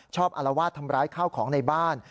อารวาสทำร้ายข้าวของในบ้าน